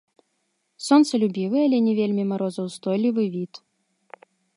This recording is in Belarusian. Сонцалюбівы, але не вельмі марозаўстойлівы від.